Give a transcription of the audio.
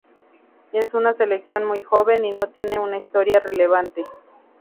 Es una selección muy joven y no tiene una historia relevante.